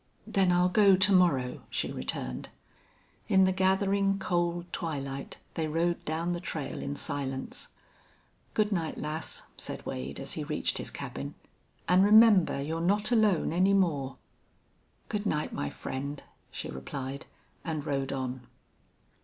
"Then I'll go to morrow," she returned. In the gathering, cold twilight they rode down the trail in silence. "Good night, lass," said Wade, as he reached his cabin. "An' remember you're not alone any more." "Good night, my friend," she replied, and rode on.